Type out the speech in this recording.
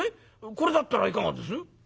これだったらいかがです？」。